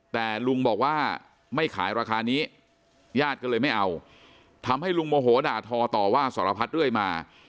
แต่ลุงบอกว่าไม่ขายราคานี้ญาติก็เลยไม่เอาทำให้ลุงโมโหด่าทอต่อว่าสารพัดเรื่อยมา